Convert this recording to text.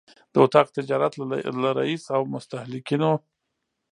د اطاق تجارت له رئیس او د مستهلکینو